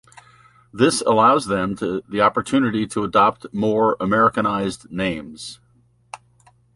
This allows them the opportunity to adopt more Americanized names.